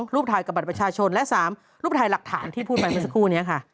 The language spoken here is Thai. รูปถ่ายกับบัตรประชาชนและ๓รูปถ่ายหลักฐานที่พูดไปเมื่อสักครู่นี้ค่ะ